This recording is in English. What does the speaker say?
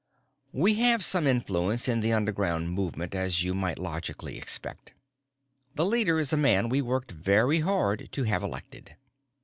"We have some influence in the underground movement, as you might logically expect. The leader is a man we worked very hard to have elected."